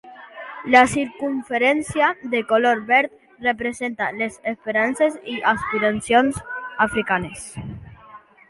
La circumferència de color verd representa les esperances i aspiracions africanes.